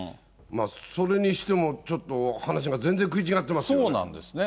それにしても、ちょっと話が全然食い違ってますよね。